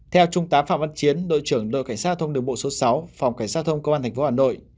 theo trung tá phạm văn chiến đội trưởng đội cảnh sát giao thông đường bộ số sáu phòng cảnh sát giao thông công an tp hà nội